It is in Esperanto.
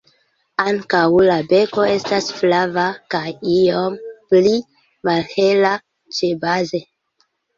Ankaŭ la beko estas flava, kaj iom pli malhela ĉebaze.